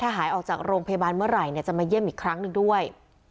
หายออกจากโรงพยาบาลเมื่อไหร่จะมาเยี่ยมอีกครั้งหนึ่งด้วย